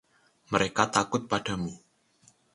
Mereka takut padamu.